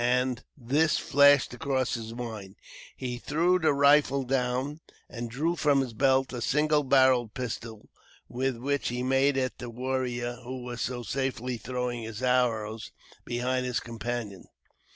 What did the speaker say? As this flashed across his mind, he threw the rifle down and drew from his belt a single barrelled pistol, with which he made at the warrior who was so safely throwing his arrows into his companion.